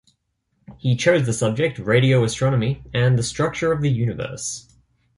He chose the subject 'Radio Astronomy and the Structure of the Universe'.